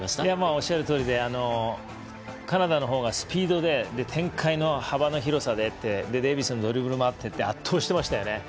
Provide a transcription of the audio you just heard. おっしゃるとおりでカナダのほうがスピードで、展開の幅の広さでデイビスのドリブルもあってって圧倒してましたよね。